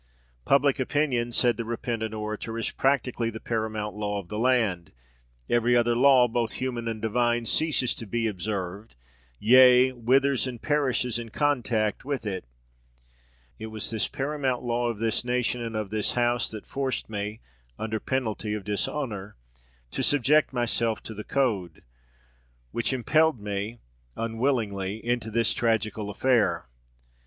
"Public opinion," said the repentant orator, "is practically the paramount law of the land. Every other law, both human and divine, ceases to be observed; yea, withers and perishes in contact with it. It was this paramount law of this nation and of this House that forced me, under the penalty of dishonour, to subject myself to the code, which impelled me unwillingly into this tragical affair.